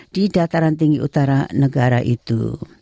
di dataran tinggi utara negara itu